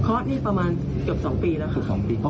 เพราะนี่ประมาณเกือบ๒ปีแล้วค่ะ